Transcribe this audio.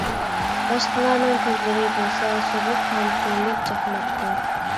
باشقىلارنىڭ كۆزلىرى بولسا سوغۇق ھەم سۈرلۈك چاقناپتۇ.